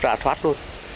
rà soát luôn